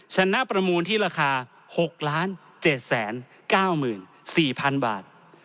ชนะประมูลที่ราคา๖ล้าน๗แสน๙หมื่น๔พันบาท